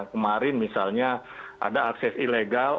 kemarin misalnya ada akses ilegal